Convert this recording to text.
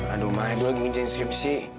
aduh ma aduh lagi ngincer inskripsi